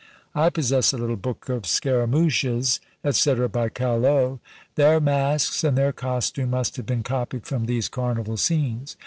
I possess a little book of Scaramouches, &c. by Callot. Their masks and their costume must have been copied from these carnival scenes.